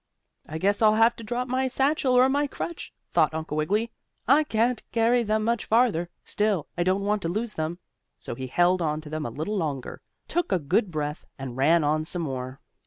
"I guess I'll have to drop my satchel or my crutch," thought Uncle Wiggily. "I can't carry them much farther. Still, I don't want to lose them." So he held on to them a little longer, took a good breath and ran on some more.